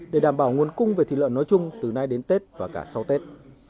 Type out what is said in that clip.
để đảm bảo nguồn cung về thịt lợn nói chung từ nay đến tết và cả sau tết